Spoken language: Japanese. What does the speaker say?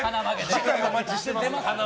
次回お待ちしてます。